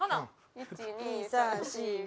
１２３４５。